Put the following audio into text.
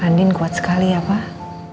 andin kuat sekali ya pak